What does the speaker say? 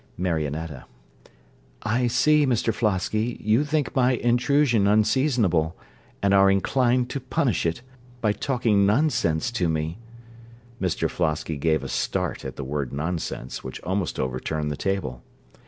MARIONETTA I see, Mr Flosky, you think my intrusion unseasonable, and are inclined to punish it, by talking nonsense to me. (_Mr Flosky gave a start at the word nonsense, which almost overturned the table.